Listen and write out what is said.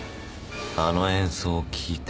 あの演奏を聴いて。